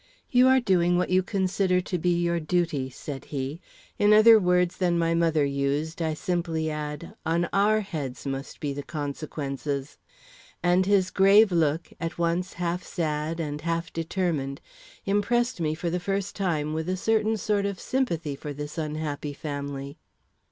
"You are doing what you consider to be your duty," said he. "In other words than my mother used, I simply add, on our heads must be the consequences." And his grave look, at once half sad and half determined, impressed me for the first time with a certain sort of sympathy for this unhappy family.